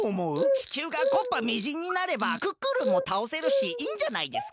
地球がこっぱみじんになればクックルンもたおせるしいいんじゃないですか？